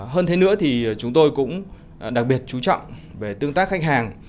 hơn thế nữa thì chúng tôi cũng đặc biệt chú trọng về tương tác khách hàng